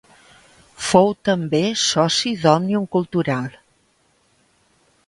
Fou també soci d'Òmnium Cultural.